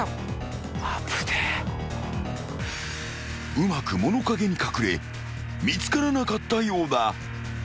［うまく物陰に隠れ見つからなかったようだ］